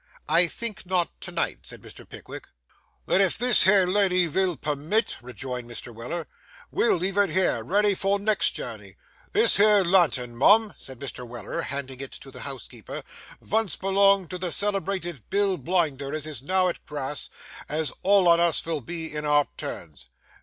'I think not to night,' said Mr. Pickwick. 'Then if this here lady vill per mit,' rejoined Mr. Weller, 'we'll leave it here, ready for next journey. This here lantern, mum,' said Mr. Weller, handing it to the housekeeper, 'vunce belonged to the celebrated Bill Blinder as is now at grass, as all on us vill be in our turns.